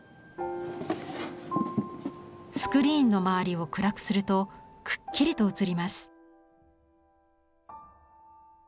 スクリーンの周りを暗くするとクッキリと映ります。